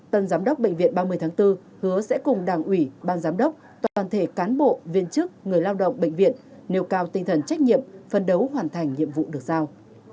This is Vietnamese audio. tân giám đốc bệnh viện ba mươi tháng bốn hứa sẽ cùng đảng ủy ban giám đốc toàn thể cán bộ viên chức người lao động bệnh viện nêu cao tinh thần trách nhiệm phân đấu hoàn thành nhiệm vụ được giao